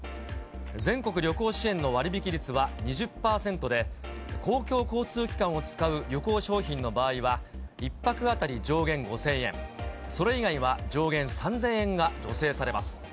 全国旅行支援の割引率は２０％で、公共交通機関を使う旅行商品の場合は、１泊当たり上限５０００円、それ以外は上限３０００円が助成されます。